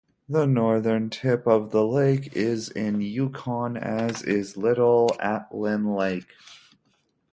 The northern tip of the lake is in Yukon, as is Little Atlin Lake.